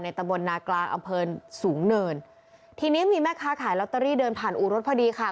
ตะบลนากลางอำเภอสูงเนินทีนี้มีแม่ค้าขายลอตเตอรี่เดินผ่านอู่รถพอดีค่ะ